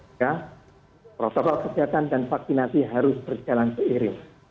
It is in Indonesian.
maka protokol kesehatan dan vaksinasi harus berjalan seiring